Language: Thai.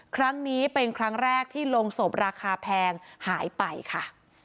ครั้งนี้เป็นครั้งแรกที่โรงศพราคาแพงหายไปค่ะ